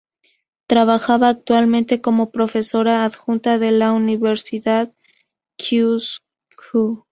Trabaja actualmente como profesora adjunta de la Universidad Kyushu.